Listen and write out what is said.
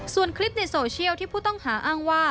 ส่วนคลิปในโซเชียลที่ผู้ต้องหาอ้างว่า